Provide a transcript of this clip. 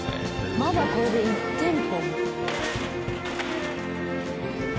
まだこれで１店舗。